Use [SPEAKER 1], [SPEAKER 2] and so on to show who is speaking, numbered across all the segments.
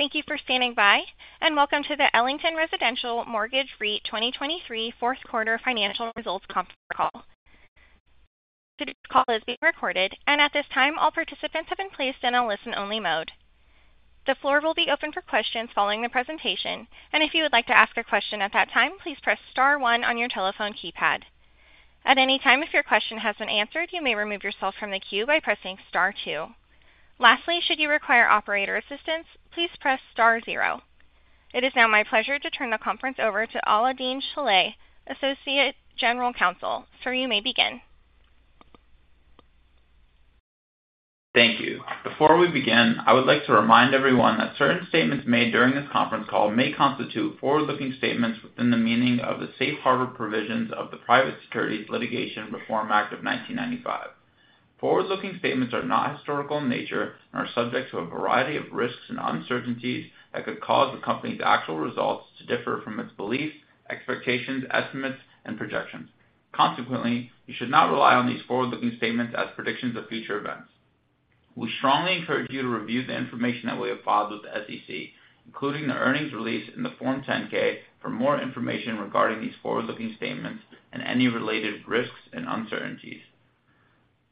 [SPEAKER 1] Thank you for standing by, and Welcome to the Ellington Residential Mortgage REIT 2023 Fourth Quarter Financial Results Conference Call. Today's call is being recorded, and at this time, all participants have been placed in a listen-only mode. The floor will be open for questions following the presentation, and if you would like to ask a question at that time, please press star one on your telephone keypad. At any time, if your question hasn't answered, you may remove yourself from the queue by pressing star two. Lastly, should you require operator assistance, please press star zero. It is now my pleasure to turn the conference over to Alaael-Deen Shilleh, Associate General Counsel. Sir, you may begin.
[SPEAKER 2] Thank you. Before we begin, I would like to remind everyone that certain statements made during this conference call may constitute forward-looking statements within the meaning of the Safe Harbor Provisions of the Private Securities Litigation Reform Act of 1995. Forward-looking statements are not historical in nature and are subject to a variety of risks and uncertainties that could cause the company's actual results to differ from its beliefs, expectations, estimates, and projections. Consequently, you should not rely on these forward-looking statements as predictions of future events. We strongly encourage you to review the information that we have filed with the SEC, including the earnings release in the Form 10-K, for more information regarding these forward-looking statements and any related risks and uncertainties.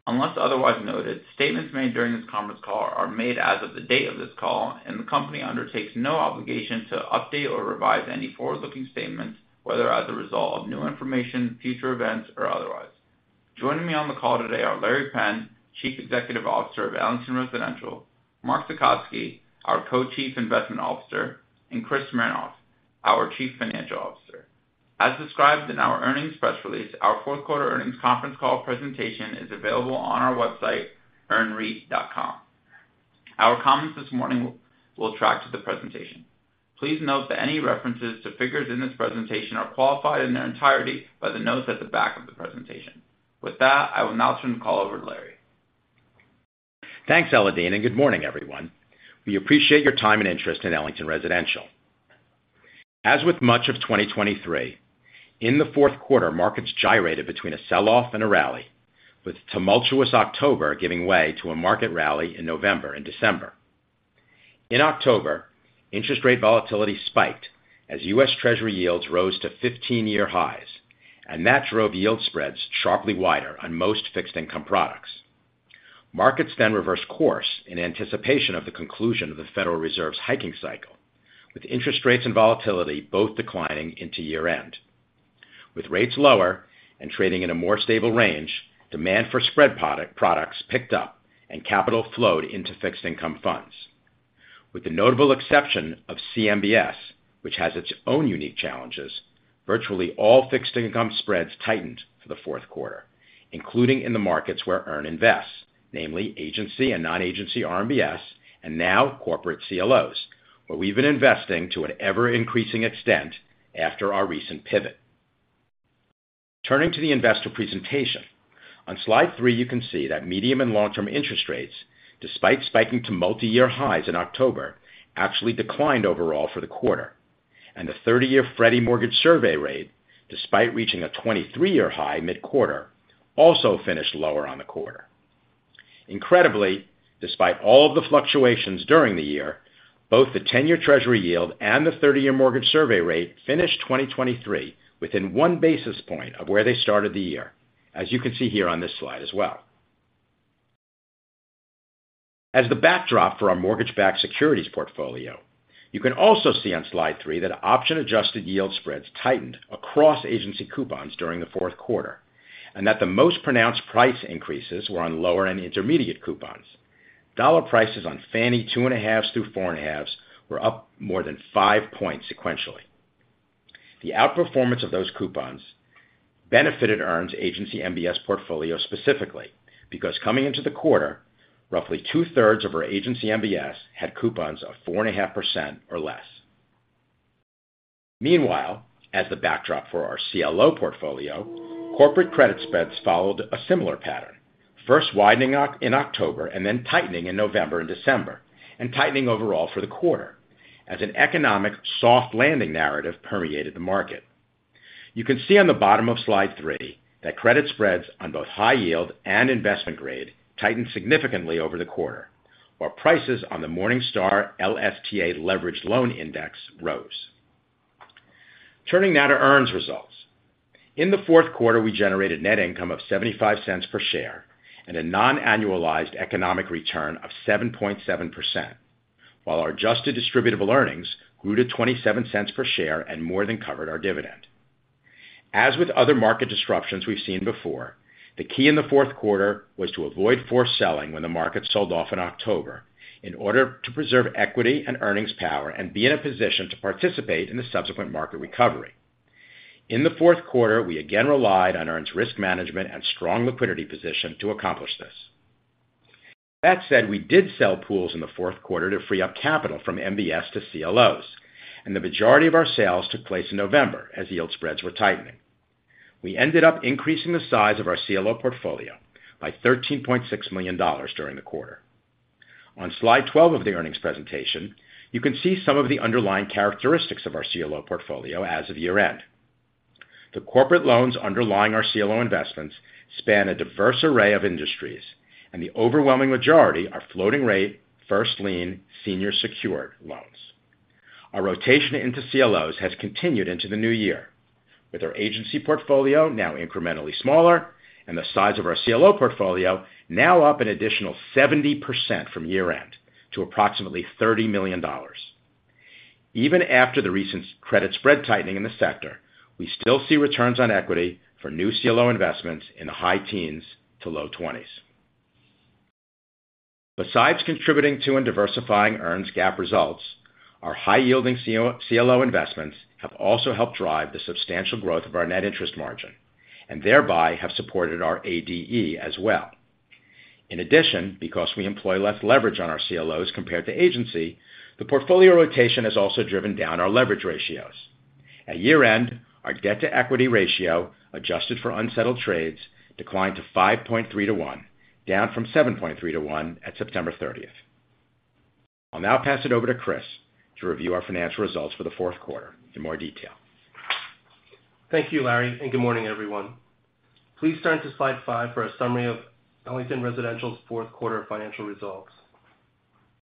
[SPEAKER 2] Unless otherwise noted, statements made during this conference call are made as of the date of this call, and the company undertakes no obligation to update or revise any forward-looking statements, whether as a result of new information, future events, or otherwise. Joining me on the call today are Laurence Penn, Chief Executive Officer of Ellington Residential, Mark Tecotzky, our Co-Chief Investment Officer, and Chris Smernoff, our Chief Financial Officer. As described in our earnings press release, our fourth quarter earnings conference call presentation is available on our website, earnreit.com. Our comments this morning will track to the presentation. Please note that any references to figures in this presentation are qualified in their entirety by the notes at the back of the presentation. With that, I will now turn the call over to Laurence.
[SPEAKER 3] Thanks, Alaael-Deen, and good morning, everyone. We appreciate your time and interest in Ellington Residential. As with much of 2023, in the fourth quarter, markets gyrated between a sell-off and a rally, with tumultuous October giving way to a market rally in November and December. In October, interest rate volatility spiked as U.S. Treasury yields rose to 15-year highs, and that drove yield spreads sharply wider on most fixed income products. Markets then reversed course in anticipation of the conclusion of the Federal Reserve's hiking cycle, with interest rates and volatility both declining into year-end. With rates lower and trading in a more stable range, demand for spread products picked up and capital flowed into fixed income funds. With the notable exception of CMBS, which has its own unique challenges, virtually all fixed income spreads tightened for the fourth quarter, including in the markets where EARN invests, namely agency and non-agency RMBS, and now corporate CLOs, where we've been investing to an ever-increasing extent after our recent pivot. Turning to the investor presentation. On slide three, you can see that medium and long-term interest rates, despite spiking to multi-year highs in October, actually declined overall for the quarter, and the 30-year Freddie mortgage survey rate, despite reaching a 23-year high mid-quarter, also finished lower on the quarter. Incredibly, despite all the fluctuations during the year, both the 10-year Treasury yield and the 30-year mortgage survey rate finished 2023 within one basis point of where they started the year, as you can see here on this slide as well. As the backdrop for our mortgage-backed securities portfolio, you can also see on slide three that option-adjusted yield spreads tightened across agency coupons during the fourth quarter, and that the most pronounced price increases were on lower and intermediate coupons. Dollar prices on Fannie 2.5 through 4.5 were up more than five points sequentially. The outperformance of those coupons benefited EARN's agency MBS portfolio specifically, because coming into the quarter, roughly two-thirds of our agency MBS had coupons of 4.5% or less. Meanwhile, as the backdrop for our CLO portfolio, corporate credit spreads followed a similar pattern, first widening up in October and then tightening in November and December, and tightening overall for the quarter as an economic soft landing narrative permeated the market. You can see on the bottom of slide three, that credit spreads on both high yield and investment grade tightened significantly over the quarter, while prices on the Morningstar LSTA Leveraged Loan Index rose. Turning now to EARN's results. In the fourth quarter, we generated net income of $0.75 per share and a non-annualized economic return of 7.7%, while our adjusted distributable earnings grew to $0.27 per share and more than covered our dividend. As with other market disruptions we've seen before, the key in the fourth quarter was to avoid forced selling when the market sold off in October in order to preserve equity and earnings power and be in a position to participate in the subsequent market recovery. In the fourth quarter, we again relied on EARN's risk management and strong liquidity position to accomplish this. That said, we did sell pools in the fourth quarter to free up capital from MBS to CLOs, and the majority of our sales took place in November as yield spreads were tightening. We ended up increasing the size of our CLO portfolio by $13.6 million during the quarter. On slide 12 of the earnings presentation, you can see some of the underlying characteristics of our CLO portfolio as of year-end. The corporate loans underlying our CLO investments span a diverse array of industries, and the overwhelming majority are floating rate, first lien, senior secured loans. Our rotation into CLOs has continued into the new year, with our agency portfolio now incrementally smaller and the size of our CLO portfolio now up an additional 70% from year-end to approximately $30 million. Even after the recent credit spread tightening in the sector, we still see returns on equity for new CLO investments in the high teens to low 20's. Besides contributing to and diversifying earnings gap results, our high-yielding CL- CLO investments have also helped drive the substantial growth of our net interest margin, and thereby have supported our ADE as well. In addition, because we employ less leverage on our CLOs compared to agency, the portfolio rotation has also driven down our leverage ratios. At year-end, our debt-to-equity ratio, adjusted for unsettled trades, declined to 5.3-to-1, down from 7.3-to-1 at September 30th. I'll now pass it over to Chris to review our financial results for the fourth quarter in more detail.
[SPEAKER 4] Thank you, Larry, and good morning, everyone. Please turn to slide five for a summary of Ellington Residential's fourth quarter financial results.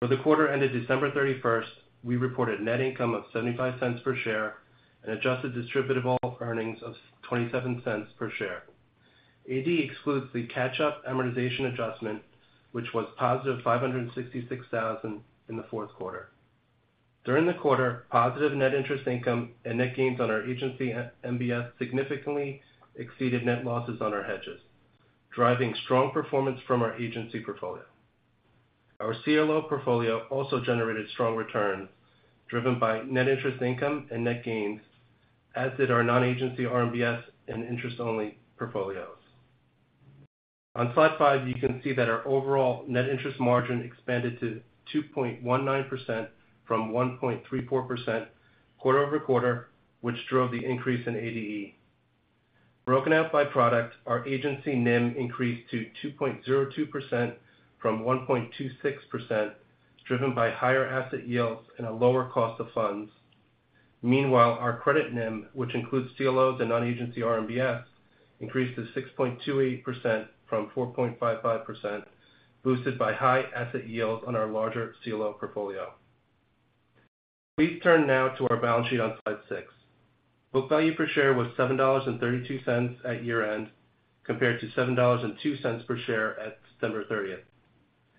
[SPEAKER 4] For the quarter ended December 31st, we reported net income of $0.75 per share and adjusted distributable earnings of $0.27 per share. ADE excludes the catch-up amortization adjustment, which was positive $566,000 in the fourth quarter. During the quarter, positive net interest income and net gains on our agency MBS significantly exceeded net losses on our hedges, driving strong performance from our agency portfolio. Our CLO portfolio also generated strong returns, driven by net interest income and net gains, as did our non-agency RMBS and interest-only portfolios. On slide five, you can see that our overall net interest margin expanded to 2.19% from 1.34% quarter-over-quarter, which drove the increase in ADE. Broken out by product, our agency NIM increased to 2.02% from 1.26%, driven by higher asset yields and a lower cost of funds. Meanwhile, our credit NIM, which includes CLOs and non-agency RMBS, increased to 6.28% from 4.55%, boosted by high asset yields on our larger CLO portfolio. Please turn now to our balance sheet on slide 6. Book value per share was $7.32 at year-end, compared to $7.02 per share at September 30th.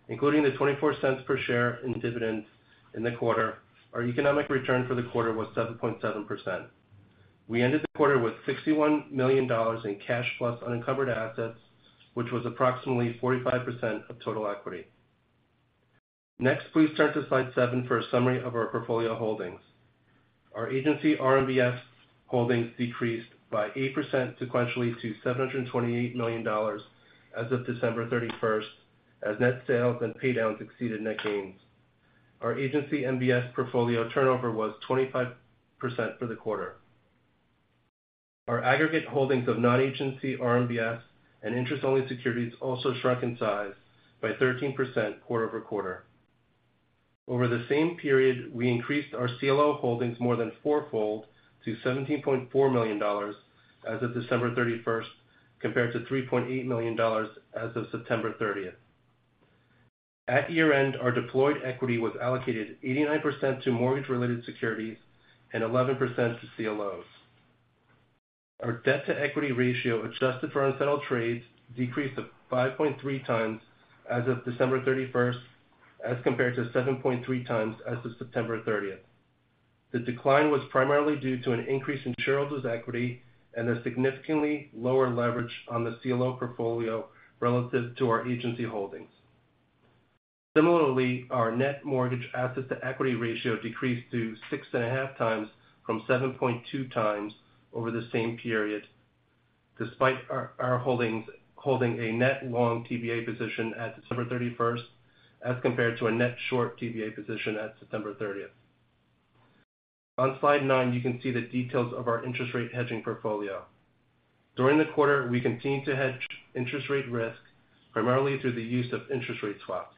[SPEAKER 4] Including the $0.24 per share in dividends in the quarter, our economic return for the quarter was 7.7%. We ended the quarter with $61 million in cash plus unencumbered assets, which was approximately 45% of total equity. Next, please turn to slide seven for a summary of our portfolio holdings. Our agency RMBS holdings decreased by 8% sequentially to $728 million as of December 31st, as net sales and pay downs exceeded net gains. Our agency MBS portfolio turnover was 25% for the quarter. Our aggregate holdings of non-agency RMBS and interest-only securities also shrunk in size by 13% quarter-over-quarter. Over the same period, we increased our CLO holdings more than fourfold to $17.4 million as of December 31st, compared to $3.8 million as of September 30th. At year-end, our deployed equity was allocated 89% to mortgage-related securities and 11% to CLOs. Our debt-to-equity ratio, adjusted for unsettled trades, decreased to 5.3x as of December 31st, as compared to 7.3x as of September 30th. The decline was primarily due to an increase in shareholders' equity and a significantly lower leverage on the CLO portfolio relative to our agency holdings. Similarly, our net mortgage assets to equity ratio decreased to 6.5x from 7.2x over the same period, despite our holdings holding a net long TBA position at December 31st, as compared to a net short TBA position at September 30th. On slide nine, you can see the details of our interest rate hedging portfolio. During the quarter, we continued to hedge interest rate risk, primarily through the use of interest rate swaps.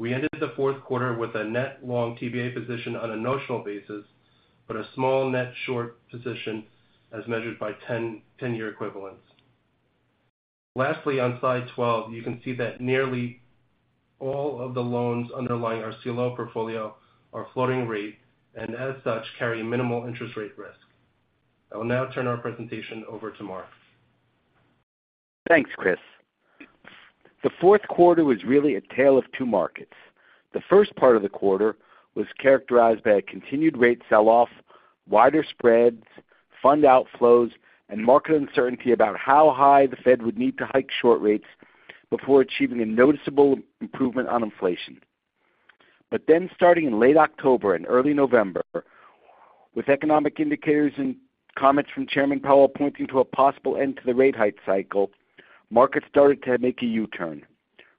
[SPEAKER 4] We ended the fourth quarter with a net long TBA position on a notional basis, but a small net short position as measured by 10-year equivalents. Lastly, on slide 12, you can see that nearly all of the loans underlying our CLO portfolio are floating rate, and as such, carry minimal interest rate risk. I will now turn our presentation over to Mark.
[SPEAKER 5] Thanks, Chris. The fourth quarter was really a tale of two markets. The first part of the quarter was characterized by a continued rate sell-off, wider spreads, fund outflows, and market uncertainty about how high the Fed would need to hike short rates before achieving a noticeable improvement on inflation. But then, starting in late October and early November, with economic indicators and comments from Chairman Powell pointing to a possible end to the rate hike cycle, markets started to make a U-turn.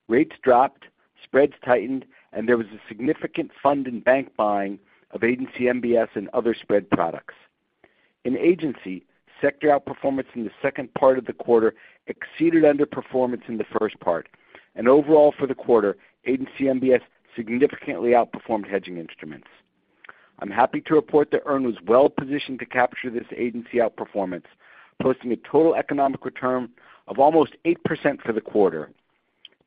[SPEAKER 5] Rates dropped, spreads tightened, and there was a significant fund and bank buying of Agency MBS and other spread products. In Agency, sector outperformance in the second part of the quarter exceeded underperformance in the first part. And overall for the quarter, agency MBS significantly outperformed hedging instruments. I'm happy to report that EARN was well positioned to capture this agency outperformance, posting a total economic return of almost 8% for the quarter.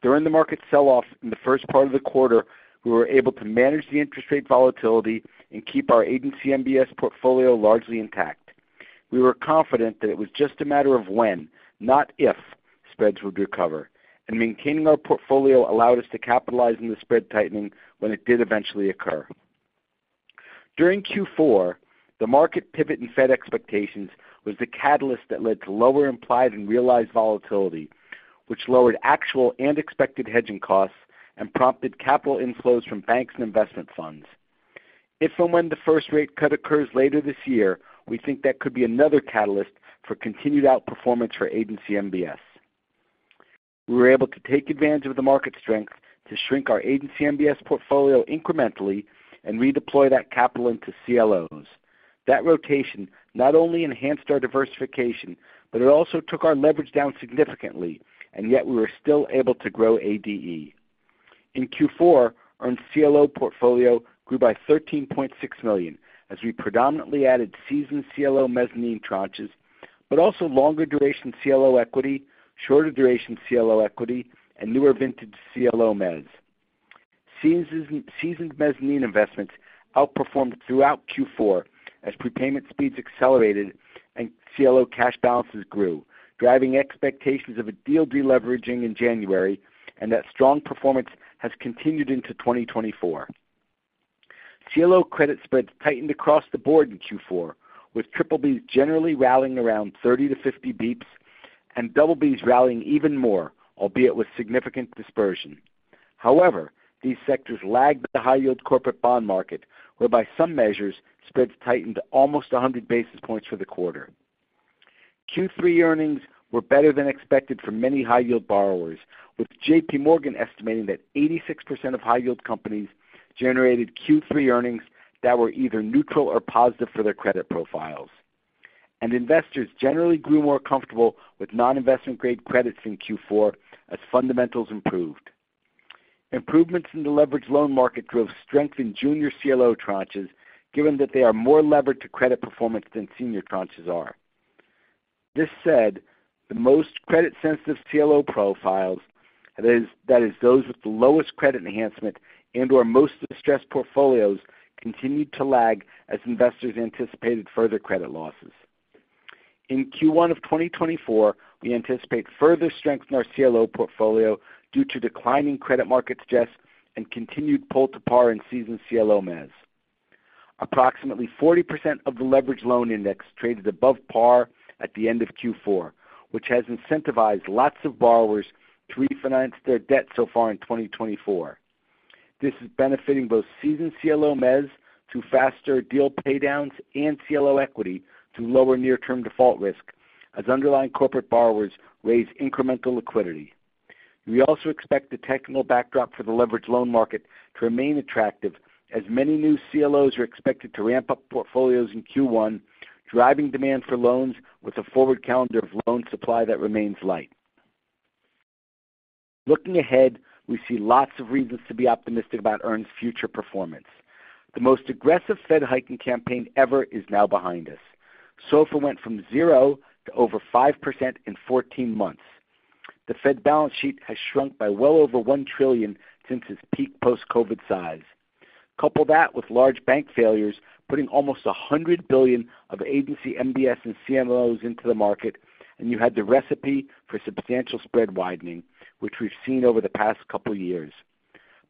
[SPEAKER 5] During the market sell-off in the first part of the quarter, we were able to manage the interest rate volatility and keep our agency MBS portfolio largely intact. We were confident that it was just a matter of when, not if, spreads would recover, and maintaining our portfolio allowed us to capitalize on the spread tightening when it did eventually occur. During Q4, the market pivot in Fed expectations was the catalyst that led to lower implied and realized volatility, which lowered actual and expected hedging costs and prompted capital inflows from banks and investment funds. If and when the first rate cut occurs later this year, we think that could be another catalyst for continued outperformance for Agency MBS. We were able to take advantage of the market strength to shrink our Agency MBS portfolio incrementally and redeploy that capital into CLOs. That rotation not only enhanced our diversification, but it also took our leverage down significantly, and yet we were still able to grow ADE. In Q4, our CLO portfolio grew by $13.6 million, as we predominantly added seasoned CLO mezzanine tranches, but also longer duration CLO equity, shorter duration CLO equity, and newer vintage CLO mezz. Seasoned mezzanine investments outperformed throughout Q4 as prepayment speeds accelerated and CLO cash balances grew, driving expectations of a deal deleveraging in January, and that strong performance has continued into 2024. CLO credit spreads tightened across the board in Q4, with BBBs generally rallying around 30-50 basis points, and BBs rallying even more, albeit with significant dispersion. However, these sectors lagged the high yield corporate bond market, whereby some measures spreads tightened to almost 100 basis points for the quarter. Q3 earnings were better than expected for many high yield borrowers, with J.P. Morgan estimating that 86% of high yield companies generated Q3 earnings that were either neutral or positive for their credit profiles. Investors generally grew more comfortable with non-investment-grade credits in Q4 as fundamentals improved. Improvements in the leveraged loan market drove strength in junior CLO tranches, given that they are more levered to credit performance than senior tranches are. That said, the most credit-sensitive CLO profiles, that is, those with the lowest credit enhancement and/or most distressed portfolios, continued to lag as investors anticipated further credit losses. In Q1 of 2024, we anticipate further strength in our CLO portfolio due to declining credit market stress and continued pull to par in seasoned CLO mezz. Approximately 40% of the leverage loan index traded above par at the end of Q4, which has incentivized lots of borrowers to refinance their debt so far in 2024. This is benefiting both seasoned CLO mezz through faster deal paydowns and CLO equity through lower near-term default risk, as underlying corporate borrowers raise incremental liquidity. We also expect the technical backdrop for the leveraged loan market to remain attractive, as many new CLOs are expected to ramp up portfolios in Q1, driving demand for loans with a forward calendar of loan supply that remains light. Looking ahead, we see lots of reasons to be optimistic about EARN's future performance. The most aggressive Fed hiking campaign ever is now behind us. SOFR went from zero to over 5% in 14 months. The Fed balance sheet has shrunk by well over $1 trillion since its peak post-COVID size. Couple that with large bank failures, putting almost $100 billion of agency MBS and CLOs into the market, and you had the recipe for substantial spread widening, which we've seen over the past couple of years.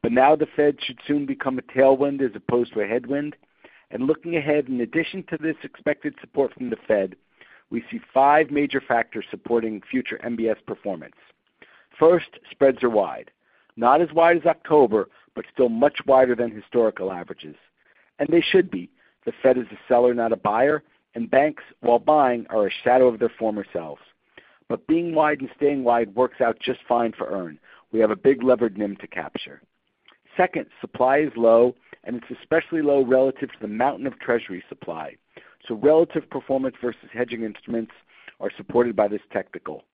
[SPEAKER 5] But now the Fed should soon become a tailwind as opposed to a headwind. Looking ahead, in addition to this expected support from the Fed, we see five major factors supporting future MBS performance. First, spreads are wide, not as wide as October, but still much wider than historical averages. And they should be. The Fed is a seller, not a buyer, and banks, while buying, are a shadow of their former selves. But being wide and staying wide works out just fine for EARN. We have a big levered NIM to capture. Second, supply is low, and it's especially low relative to the mountain of Treasury supply, so relative performance versus hedging instruments are supported by this technical.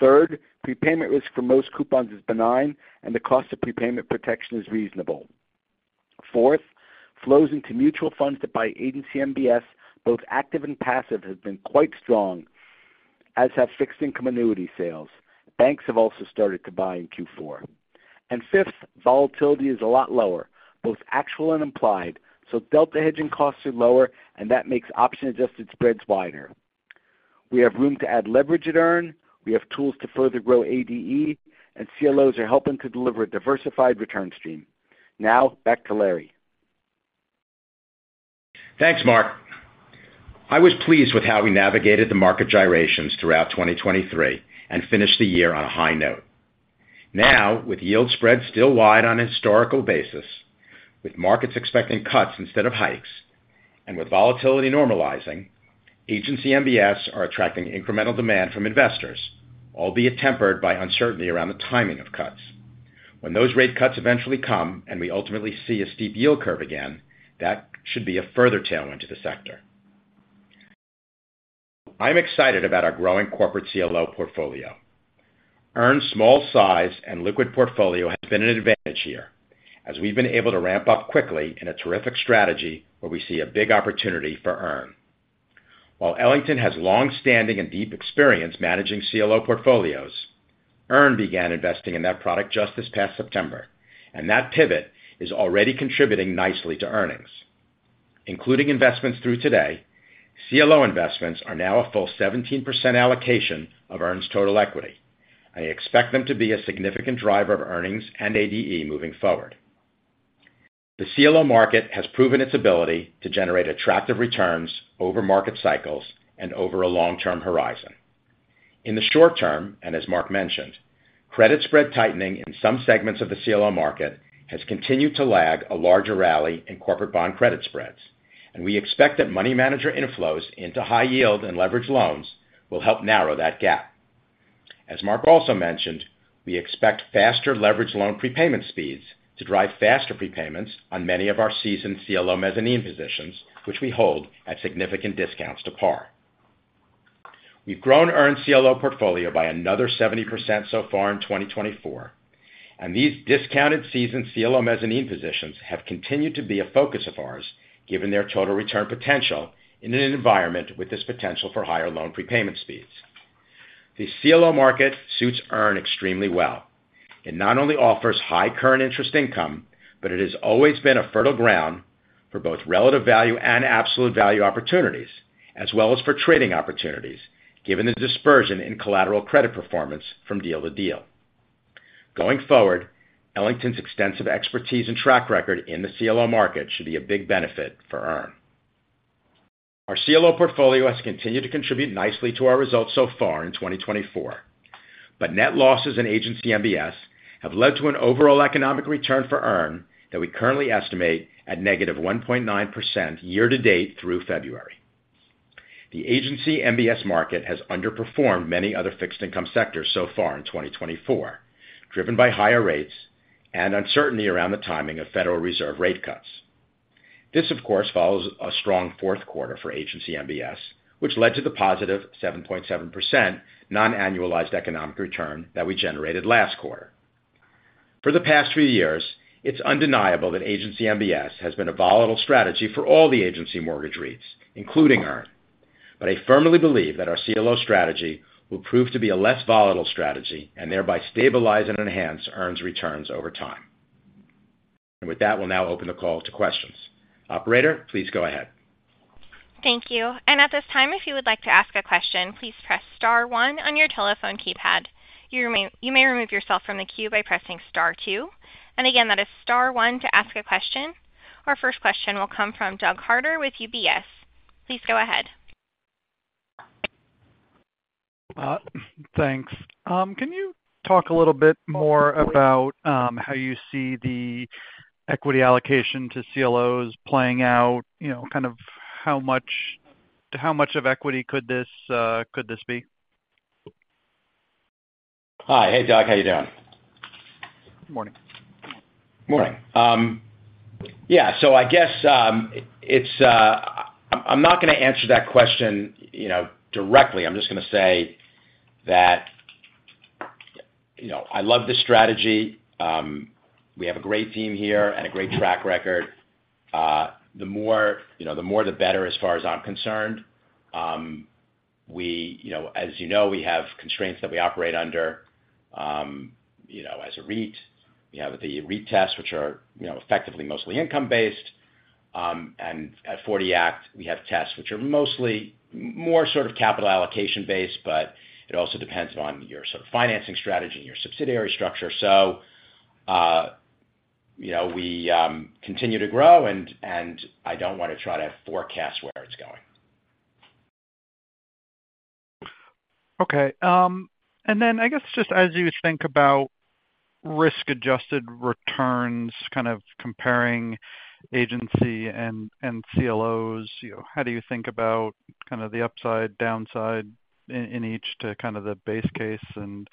[SPEAKER 5] Third, prepayment risk for most coupons is benign, and the cost of prepayment protection is reasonable. Fourth, flows into mutual funds that buy agency MBS, both active and passive, have been quite strong, as have fixed income annuity sales. Banks have also started to buy in Q4. And fifth, volatility is a lot lower, both actual and implied, so delta hedging costs are lower, and that makes option-adjusted spreads wider. We have room to add leverage at EARN, we have tools to further grow ADE, and CLOs are helping to deliver a diversified return stream. Now, back to Larry.
[SPEAKER 3] Thanks, Mark. I was pleased with how we navigated the market gyrations throughout 2023 and finished the year on a high note. Now, with yield spreads still wide on a historical basis, with markets expecting cuts instead of hikes, and with volatility normalizing, Agency MBS are attracting incremental demand from investors, albeit tempered by uncertainty around the timing of cuts. When those rate cuts eventually come and we ultimately see a steep yield curve again, that should be a further tailwind to the sector. I'm excited about our growing corporate CLO portfolio. EARN's small size and liquid portfolio has been an advantage here, as we've been able to ramp up quickly in a terrific strategy where we see a big opportunity for EARN. While Ellington has long-standing and deep experience managing CLO portfolios, EARN began investing in that product just this past September, and that pivot is already contributing nicely to earnings. Including investments through today, CLO investments are now a full 17% allocation of EARN's total equity. I expect them to be a significant driver of earnings and ADE moving forward. The CLO market has proven its ability to generate attractive returns over market cycles and over a long-term horizon. In the short term, and as Mark mentioned, credit spread tightening in some segments of the CLO market has continued to lag a larger rally in corporate bond credit spreads, and we expect that money manager inflows into high yield and leveraged loans will help narrow that gap. As Mark also mentioned, we expect faster leveraged loan prepayment speeds to drive faster prepayments on many of our seasoned CLO mezzanine positions, which we hold at significant discounts to par. We've grown EARN's CLO portfolio by another 70% so far in 2024, and these discounted seasoned CLO mezzanine positions have continued to be a focus of ours, given their total return potential in an environment with this potential for higher loan prepayment speeds. The CLO market suits EARN extremely well. It not only offers high current interest income, but it has always been a fertile ground for both relative value and absolute value opportunities, as well as for trading opportunities, given the dispersion in collateral credit performance from deal to deal. Going forward, Ellington's extensive expertise and track record in the CLO market should be a big benefit for EARN. Our CLO portfolio has continued to contribute nicely to our results so far in 2024, but net losses in Agency MBS have led to an overall economic return for EARN that we currently estimate at -1.9% year to date through February. The Agency MBS market has underperformed many other fixed income sectors so far in 2024, driven by higher rates and uncertainty around the timing of Federal Reserve rate cuts. This, of course, follows a strong fourth quarter for Agency MBS, which led to the positive 7.7% non-annualized economic return that we generated last quarter. For the past few years, it's undeniable that Agency MBS has been a volatile strategy for all the agency mortgage REITs, including EARN. But I firmly believe that our CLO strategy will prove to be a less volatile strategy and thereby stabilize and enhance EARN's returns over time. With that, we'll now open the call to questions. Operator, please go ahead.
[SPEAKER 1] Thank you. And at this time, if you would like to ask a question, please press star one on your telephone keypad. You may remove yourself from the queue by pressing star two. And again, that is star one to ask a question. Our first question will come from Doug Harter with UBS. Please go ahead.
[SPEAKER 6] Thanks. Can you talk a little bit more about how you see the equity allocation to CLOs playing out? You know, kind of how much of equity could this be?
[SPEAKER 3] Hi. Hey, Doug, how you doing?
[SPEAKER 6] Good morning.
[SPEAKER 3] Morning. Yeah, so I guess, it's... I'm not gonna answer that question, you know, directly. I'm just gonna say that, you know, I love this strategy. We have a great team here and a great track record. The more, you know, the more, the better, as far as I'm concerned. We, you know, as you know, we have constraints that we operate under. You know, as a REIT, we have the REIT tests, which are, you know, effectively mostly income based. And at '40 Act, we have tests which are mostly more sort of capital allocation based, but it also depends on your sort of financing strategy and your subsidiary structure. So, you know, we continue to grow, and I don't want to try to forecast where it's going.
[SPEAKER 6] Okay, and then I guess just as you think about risk-adjusted returns, kind of comparing agency and CLOs, you know, how do you think about kind of the upside, downside in each to kind of the base case and,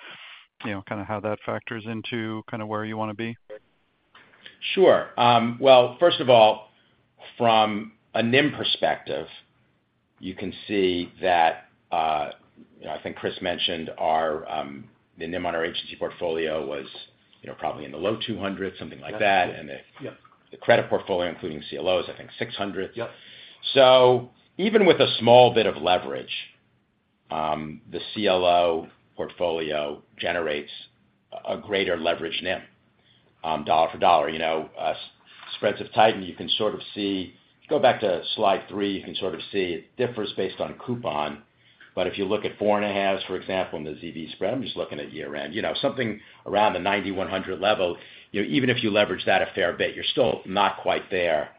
[SPEAKER 6] you know, kind of how that factors into kind of where you want to be?
[SPEAKER 3] Sure. Well, first of all, from a NIM perspective, you can see that, you know, I think Chris mentioned our, the NIM on our agency portfolio was, you know, probably in the low 200s, something like that. And the credit portfolio, including CLOs, I think 600.
[SPEAKER 6] Yep.
[SPEAKER 3] So even with a small bit of leverage, the CLO portfolio generates a greater leverage NIM, dollar for dollar. You know, spreads have tightened. You can sort of see. If you go back to slide three, you can sort of see it differs based on coupon, but if you look at 4.5, for example, in the Z-spread, I'm just looking at year round, you know, something around the 90-100 level. You know, even if you leverage that a fair bit, you're still not quite there,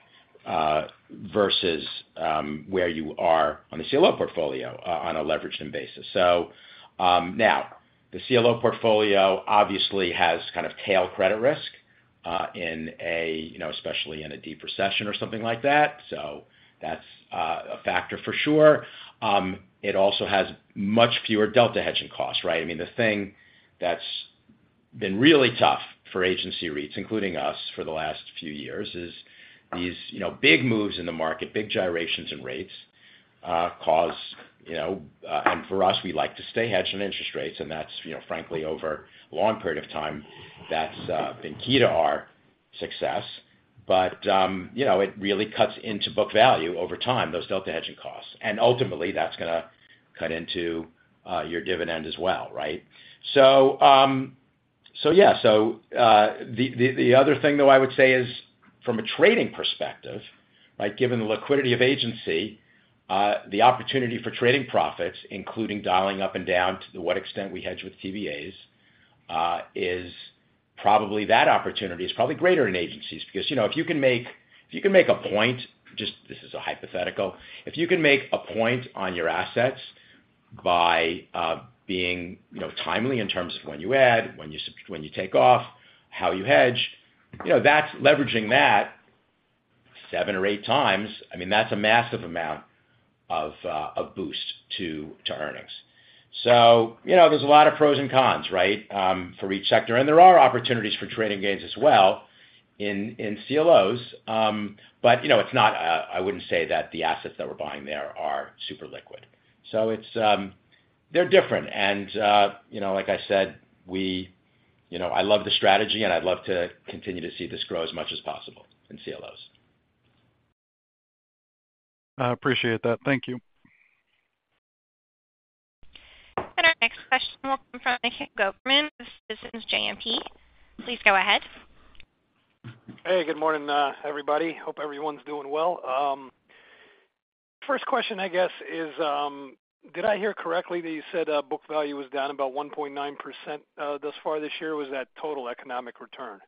[SPEAKER 3] versus where you are on the CLO portfolio on a leveraged NIM basis. So, now, the CLO portfolio obviously has kind of tail credit risk, in, you know, especially in a deep recession or something like that. So that's a factor for sure. It also has much fewer delta hedging costs, right? I mean, the thing that's been really tough for agency REITs, including us, for the last few years, is these, you know, big moves in the market, big gyrations in rates, cause, you know, and for us, we like to stay hedged in interest rates, and that's, you know, frankly, over a long period of time, that's been key to our success. But, you know, it really cuts into book value over time, those delta hedging costs, and ultimately, that's gonna cut into your dividend as well, right? So yeah, the other thing, though, I would say is from a trading perspective, right, given the liquidity of agency, the opportunity for trading profits, including dialing up and down to what extent we hedge with TBAs, is probably greater in agencies. Because, you know, if you can make a point, just this is a hypothetical. If you can make a point on your assets by being, you know, timely in terms of when you add, when you take off, how you hedge, you know, that's leveraging that seven or eight times, I mean, that's a massive amount of boost to earnings. So, you know, there's a lot of pros and cons, right, for each sector. And there are opportunities for trading gains as well in, in CLOs. But, you know, it's not, I wouldn't say that the assets that we're buying there are super liquid. So it's, they're different. And, you know, like I said, you know, I love the strategy, and I'd love to continue to see this grow as much as possible in CLOs.
[SPEAKER 6] I appreciate that. Thank you.
[SPEAKER 1] Our next question will come from Mikhail Goberman with Citizens JMP. Please go ahead.
[SPEAKER 7] Hey, good morning, everybody. Hope everyone's doing well. First question, I guess, is, did I hear correctly that you said, book value was down about 1.9%, thus far this year? Was that total economic return?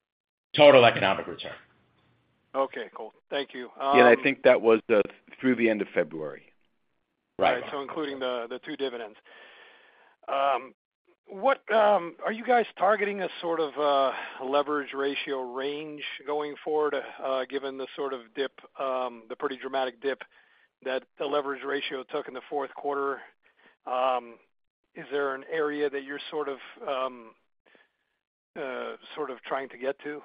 [SPEAKER 3] Total economic return.
[SPEAKER 7] Okay, cool. Thank you,
[SPEAKER 5] Yeah, I think that was the, through the end of February.
[SPEAKER 7] Right. So including the two dividends. What are you guys targeting a sort of leverage ratio range going forward, given the sort of dip, the pretty dramatic dip that the leverage ratio took in the fourth quarter? Is there an area that you're sort of sort of trying to get to?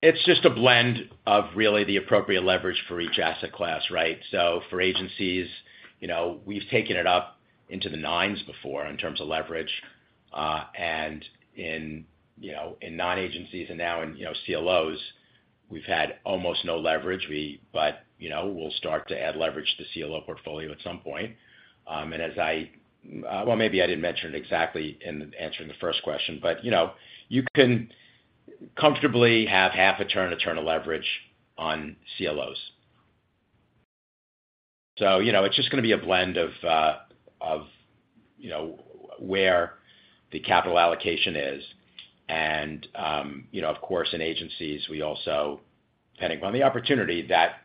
[SPEAKER 3] It's just a blend of really the appropriate leverage for each asset class, right? So for agencies, you know, we've taken it up into the nines before in terms of leverage, and in, you know, in non-agencies and now in, you know, CLOs, we've had almost no leverage. But, you know, we'll start to add leverage to CLO portfolio at some point. Well, maybe I didn't mention it exactly in answering the first question, but, you know, you can comfortably have half a turn to turn a leverage on CLOs. So, you know, it's just gonna be a blend of, of, you know, where the capital allocation is. You know, of course, in agencies, we also, depending on the opportunity, that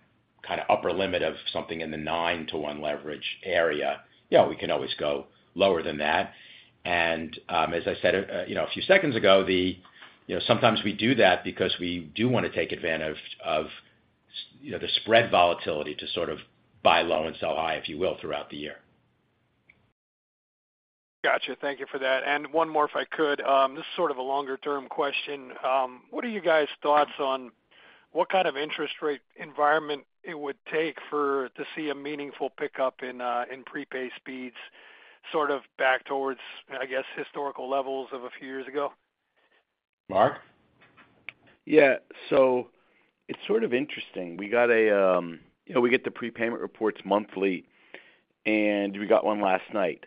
[SPEAKER 3] kind of upper limit of something in the nine-to-one leverage area, yeah, we can always go lower than that. As I said a few seconds ago, you know, sometimes we do that because we do want to take advantage of the spread volatility to sort of buy low and sell high, if you will, throughout the year.
[SPEAKER 7] Gotcha. Thank you for that. And one more, if I could. This is sort of a longer-term question. What are you guys' thoughts on what kind of interest rate environment it would take for to see a meaningful pickup in, in prepayment speeds, sort of back towards, I guess, historical levels of a few years ago?
[SPEAKER 3] Mark?
[SPEAKER 5] Yeah. So it's sort of interesting. We got a, you know, we get the prepayment reports monthly, and we got one last night.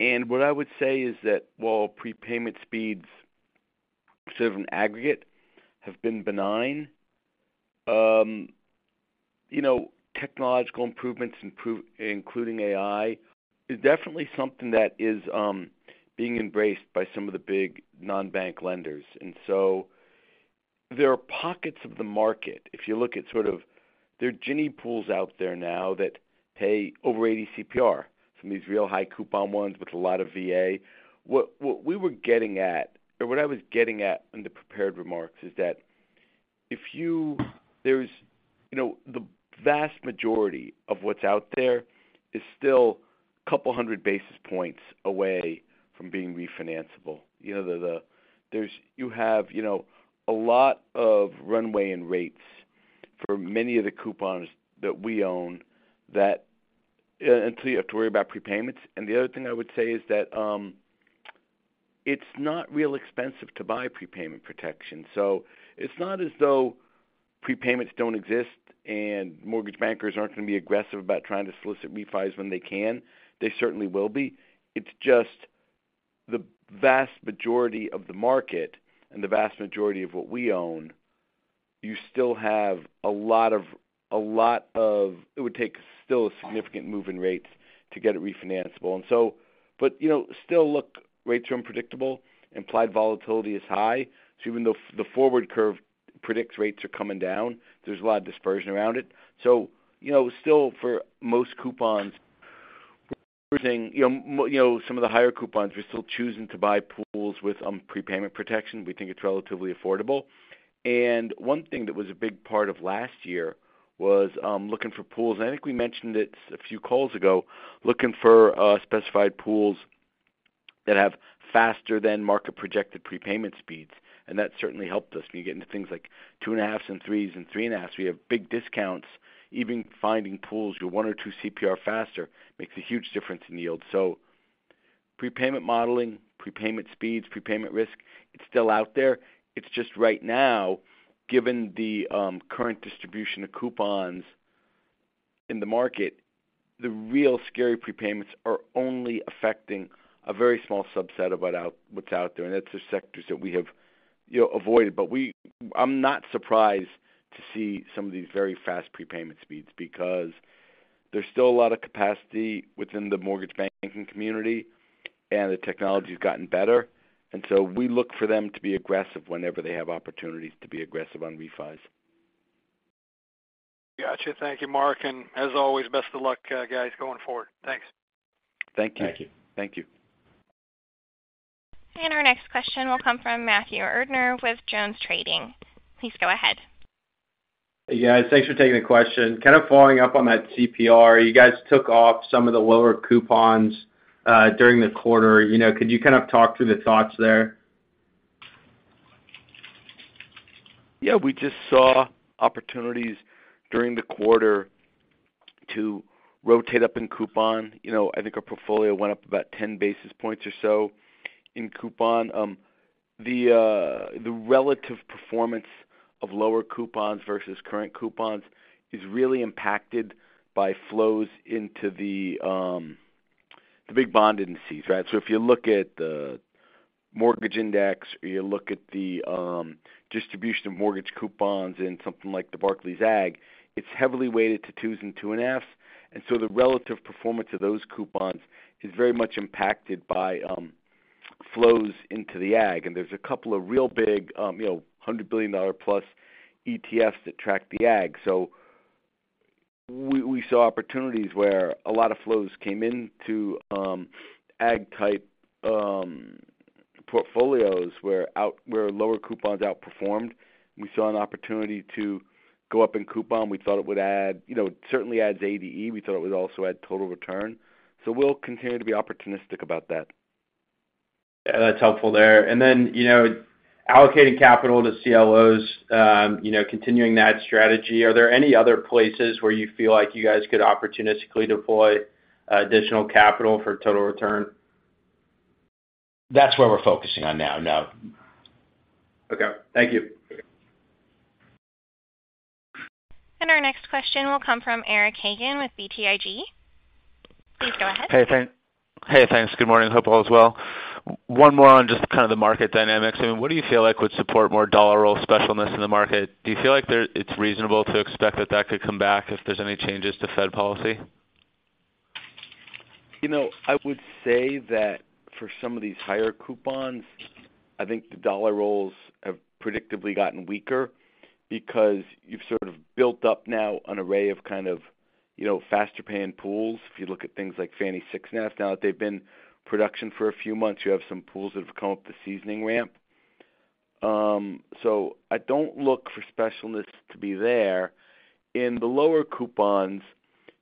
[SPEAKER 5] And what I would say is that while prepayment speeds sort of in aggregate have been benign, you know, technological improvements, including AI, is definitely something that is being embraced by some of the big non-bank lenders. And so there are pockets of the market. If you look at sort of, there are Ginnie pools out there now that pay over 80 CPR from these real high coupon ones with a lot of VA. What we were getting at, or what I was getting at in the prepared remarks, is that there's, you know, the vast majority of what's out there is still a couple hundred basis points away from being refinanceable. You know, there's you have, you know, a lot of runway in rates for many of the coupons that we own that, and so you have to worry about prepayments. And the other thing I would say is that, it's not real expensive to buy prepayment protection. So it's not as though prepayments don't exist, and mortgage bankers aren't going to be aggressive about trying to solicit refis when they can. They certainly will be. It's just the vast majority of the market and the vast majority of what we own, you still have a lot of it would take still a significant move in rates to get it refinance able. And so, but, you know, still, look, rates are unpredictable, implied volatility is high. So even though the forward curve predicts rates are coming down, there's a lot of dispersion around it. So, you know, still, for most coupons, we're saying, you know, some of the higher coupons, we're still choosing to buy pools with prepayment protection. We think it's relatively affordable. And one thing that was a big part of last year was looking for pools. I think we mentioned it a few calls ago, looking for specified pools that have faster than market projected prepayment speeds, and that certainly helped us. When you get into things like 2.5s and 3s and 3.5s, we have big discounts. Even finding pools with one or two CPR faster makes a huge difference in yield. So prepayment modeling, prepayment speeds, prepayment risk, it's still out there. It's just right now, given the current distribution of coupons in the market, the real scary prepayments are only affecting a very small subset of what's out there, and it's the sectors that we have, you know, avoided. But I'm not surprised to see some of these very fast prepayment speeds, because there's still a lot of capacity within the mortgage banking community, and the technology has gotten better. And so we look for them to be aggressive whenever they have opportunities to be aggressive on refis.
[SPEAKER 7] Got you. Thank you, Mark, and as always, best of luck, guys, going forward. Thanks.
[SPEAKER 5] Thank you.
[SPEAKER 3] Thank you.
[SPEAKER 4] Thank you.
[SPEAKER 1] Our next question will come from Matthew Erdner with JonesTrading. Please go ahead.
[SPEAKER 8] Hey, guys. Thanks for taking the question. Kind of following up on that CPR. You guys took off some of the lower coupons, during the quarter. You know, could you kind of talk through the thoughts there?
[SPEAKER 5] Yeah, we just saw opportunities during the quarter to rotate up in coupon. You know, I think our portfolio went up about 10 basis points or so in coupon. The relative performance of lower coupons versus current coupons is really impacted by flows into the big bond indices, right? So if you look at the mortgage index, or you look at the distribution of mortgage coupons in something like the Barclays Agg, it's heavily weighted to 2s and 2.5. And so the relative performance of those coupons is very much impacted by flows into the Agg. And there's a couple of real big, you know, $100 billion+ ETFs that track the Agg. So we, we saw opportunities where a lot of flows came in to Agg type portfolios, where lower coupons outperformed. We saw an opportunity to go up in coupon. We thought it would add, you know, it certainly adds ADE. We thought it would also add total return. So we'll continue to be opportunistic about that.
[SPEAKER 8] Yeah, that's helpful there. And then, you know, allocating capital to CLOs, you know, continuing that strategy, are there any other places where you feel like you guys could opportunistically deploy, additional capital for total return?
[SPEAKER 5] That's where we're focusing on now, now.
[SPEAKER 8] Okay, thank you.
[SPEAKER 1] Our next question will come from Eric Hagen with BTIG. Please go ahead.
[SPEAKER 9] Hey, thanks. Hey, thanks. Good morning. Hope all is well. One more on just kind of the market dynamics. I mean, what do you feel like would support more dollar roll specialness in the market? Do you feel like it's reasonable to expect that that could come back if there's any changes to Fed policy?
[SPEAKER 5] You know, I would say that for some of these higher coupons, I think the dollar rolls have predictably gotten weaker because you've sort of built up now an array of kind of, you know, faster paying pools. If you look at things like Fannie 6.5, now that they've been in production for a few months, you have some pools that have come up the seasoning ramp. So I don't look for specialness to be there. In the lower coupons,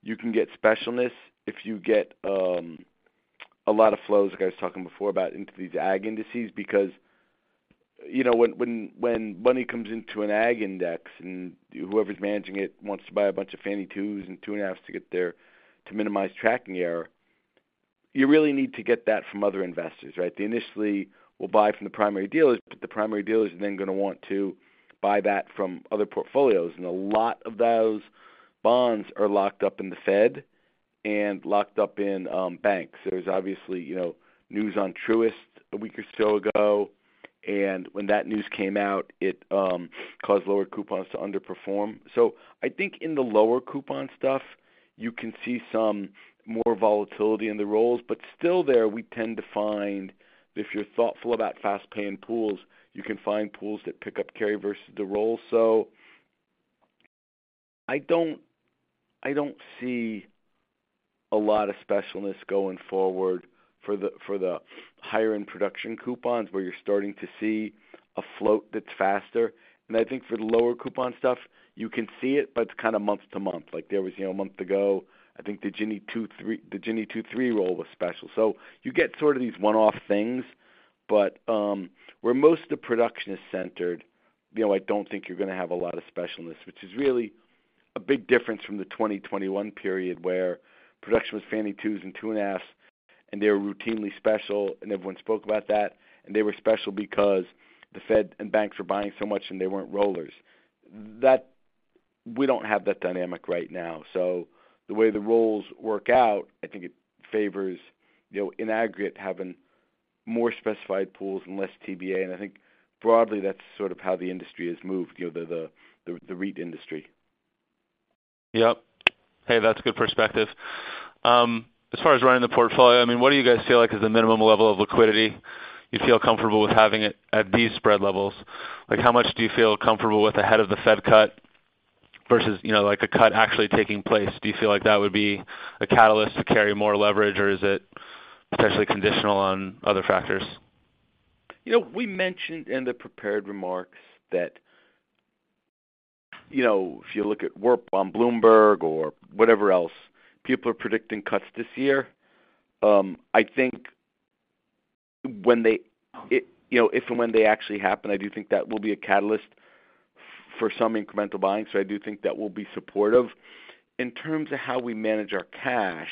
[SPEAKER 5] you can get specialness if you get a lot of flows, like I was talking before, about into these Agg indices, because, you know, when money comes into an Agg index and whoever's managing it wants to buy a bunch of Fannie 2s and 2.5s to get there to minimize tracking error, you really need to get that from other investors, right? They initially will buy from the primary dealers, but the primary dealers are then going to want to buy that from other portfolios, and a lot of those bonds are locked up in the Fed and locked up in, banks. There was obviously, you know, news on Truist a week or so ago, and when that news came out, it caused lower coupons to underperform. So I think in the lower coupon stuff, you can see some more volatility in the rolls, but still there, we tend to find if you're thoughtful about fast paying pools, you can find pools that pick up carry versus the roll. So I don't, I don't see a lot of specialness going forward for the, for the higher end production coupons, where you're starting to see a float that's faster. I think for the lower coupon stuff, you can see it, but it's kind of month-to-month. Like there was, you know, a month ago, I think the Ginnie 2.5, the Ginnie 2.5 roll was special. So you get sort of these one-off things, but where most of the production is centered, you know, I don't think you're going to have a lot of specialness, which is really a big difference from the 2021 period, where production was Fannie 2s and 2.5s, and they were routinely special, and everyone spoke about that. And they were special because the Fed and banks were buying so much, and they weren't rollers. That, we don't have that dynamic right now. So the way the rolls work out, I think it favors, you know, in aggregate, having more specified pools and less TBA. I think broadly, that's sort of how the industry has moved, you know, the REIT industry.
[SPEAKER 9] Yep. Hey, that's a good perspective. As far as running the portfolio, I mean, what do you guys feel like is the minimum level of liquidity you feel comfortable with having it at these spread levels? Like, how much do you feel comfortable with the head of the Fed cut versus, you know, like, a cut actually taking place. Do you feel like that would be a catalyst to carry more leverage, or is it potentially conditional on other factors?
[SPEAKER 5] You know, we mentioned in the prepared remarks that, you know, if you look at work on Bloomberg or whatever else, people are predicting cuts this year. I think when it, you know, if and when they actually happen, I do think that will be a catalyst for some incremental buying, so I do think that will be supportive. In terms of how we manage our cash,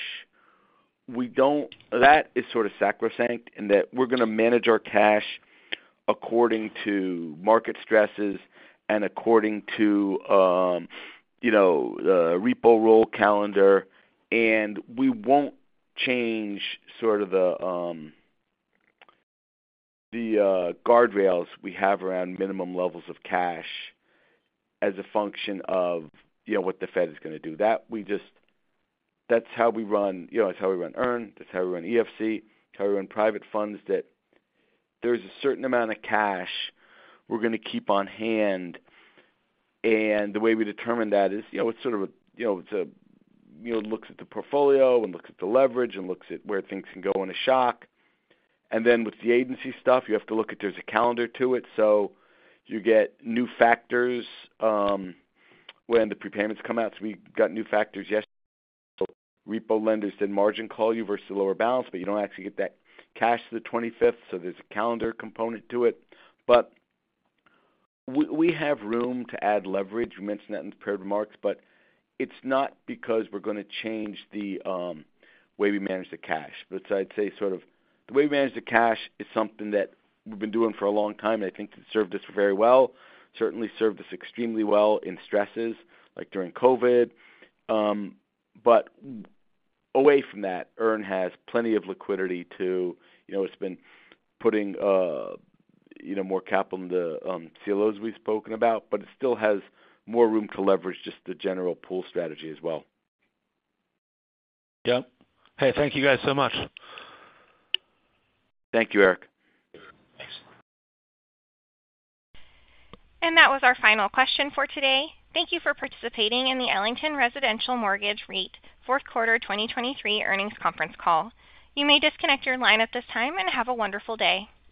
[SPEAKER 5] we don't. That is sort of sacrosanct, in that we're gonna manage our cash according to market stresses and according to, you know, the repo roll calendar. We won't change sort of the guardrails we have around minimum levels of cash as a function of, you know, what the Fed is gonna do. That we just... That's how we run, you know, that's how we run EARN, that's how we run EFC, it's how we run private funds, that there's a certain amount of cash we're gonna keep on hand. And the way we determine that is, you know, it's sort of a, you know, it's a -- you know, it looks at the portfolio, it looks at the leverage, and looks at where things can go in a shock. And then with the agency stuff, you have to look at there's a calendar to it, so you get new factors, when the prepayments come out. So we got new factors yesterday. Repo lenders did margin call you versus the lower balance, but you don't actually get that cash till the 25th, so there's a calendar component to it. But we have room to add leverage. We mentioned that in the prepared remarks, but it's not because we're gonna change the way we manage the cash. But I'd say sort of the way we manage the cash is something that we've been doing for a long time, and I think it's served us very well. Certainly served us extremely well in stresses, like during COVID. But away from that, EARN has plenty of liquidity to... You know, it's been putting, you know, more capital into CLOs we've spoken about, but it still has more room to leverage just the general pool strategy as well.
[SPEAKER 9] Yep. Hey, thank you guys so much.
[SPEAKER 5] Thank you, Eric.
[SPEAKER 1] That was our final question for today. Thank you for participating in the Ellington Residential Mortgage REIT Fourth Quarter 2023 earnings conference call. You may disconnect your line at this time, and have a wonderful day.